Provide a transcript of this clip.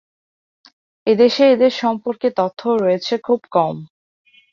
এদেশে এদের সম্পর্কে তথ্যও রয়েছে খুব কম।